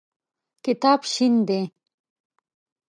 کتاب شین دی.